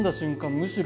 むしろ。